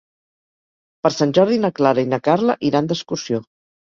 Per Sant Jordi na Clara i na Carla iran d'excursió.